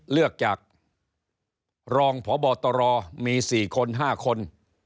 เลือกจากรองพบตรมี๔คน๕คน